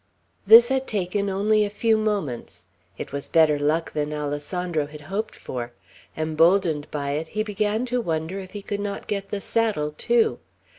This had taken only a few moments. It was better luck than Alessandro had hoped for; emboldened by it, he began to wonder if he could not get the saddle too.